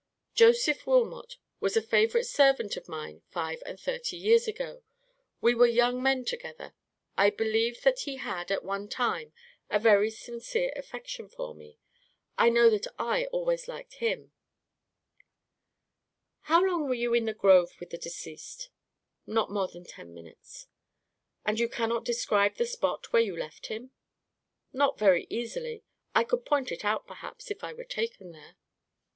"Joseph Wilmot was a favourite servant of mine five and thirty years ago. We were young men together. I believe that he had, at one time, a very sincere affection for me. I know that I always liked him." "How long were you in the grove with the deceased?" "Not more than ten minutes." "And you cannot describe the spot where you left him?" "Not very easily; I could point it out, perhaps, if I were taken there."